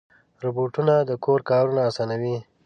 روبوټونه د کور کارونه اسانوي.